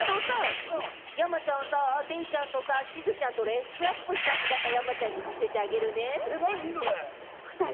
山ちゃんさ、デイちゃんとさ、しずちゃんとドレスアップした姿を山ちゃんに見何それ？